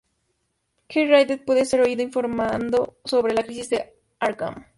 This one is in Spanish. Jack Ryder puede ser oído informando sobre la crisis de Arkham.